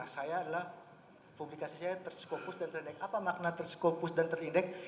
nah saya adalah publikasi saya tersekopus dan terindeks apa makna tersekopus dan terindeks